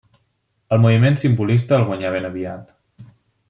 El moviment simbolista el guanyà ben aviat.